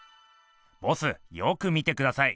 ボスよく見てください。